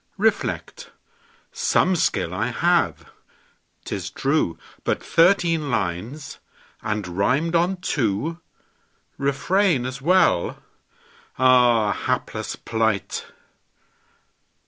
Reflect. Some skill I have, 'tis true; But thirteen lines! and rimed on two! "Refrain" as well. Ah, Hapless plight!